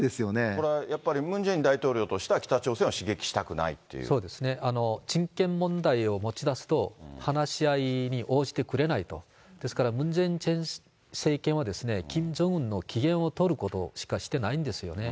これ、やっぱりムン・ジェイン大統領としては、北朝鮮を刺激そうですね、人権問題を持ち出すと、話し合いに応じてくれないと、ですからムン・ジェイン政権は、キム・ジョンウンの機嫌を取ることしかしてないんですよね。